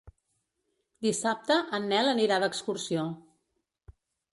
Dissabte en Nel anirà d'excursió.